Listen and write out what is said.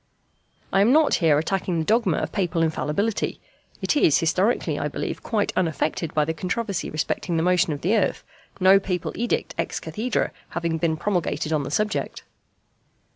I am not here attacking the dogma of Papal Infallibility: it is historically, I believe, quite unaffected by the controversy respecting the motion of the earth, no Papal edict ex cathedrâ having been promulgated on the subject.